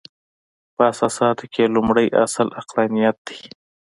په اساساتو کې یې لومړۍ اصل عقلانیت دی.